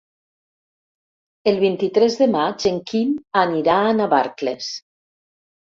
El vint-i-tres de maig en Quim anirà a Navarcles.